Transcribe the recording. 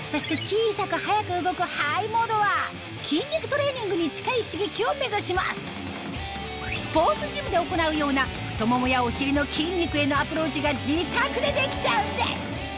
シリーズ最小最軽量のモードはの２種類そしてスポーツジムで行うような太ももやお尻の筋肉へのアプローチが自宅でできちゃうんです